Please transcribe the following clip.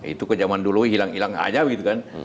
itu ke zaman dulu hilang hilang aja gitu kan